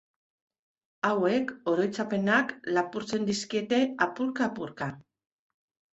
Hauek oroitzapenak lapurtzen dizkiete apurka-apurka.